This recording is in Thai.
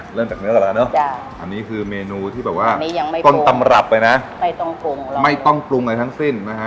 เริ่มจากเนื้อกันแล้วอันนี้คือเมนูที่ก้นตำรับไปนะไม่ต้องปรุงในทั้งสิ้น